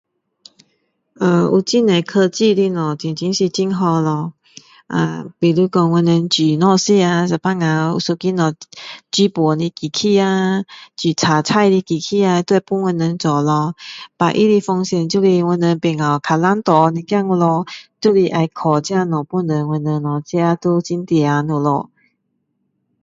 呃有很多科技的东西真真是很好咯啊比如说我们煮东西吃啊有时候有一个东西煮饭的机器啊炒菜的机器啊都会帮我们做咯 but 它的风险就是我们变较懒惰一点咯就是要靠这些东西帮助我们咯自己都很懒惰了咯